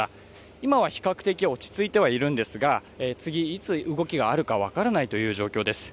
今は比較的落ち着いてはいるんですが、次、いつ動きがあるか分からないという状況です。